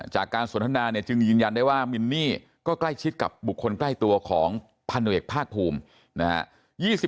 จากการสนทนาเนี่ยจึงยืนยันได้ว่ามินนี่ก็ใกล้ชิดกับบุคคลใกล้ตัวของพันเอกภาคภูมินะฮะ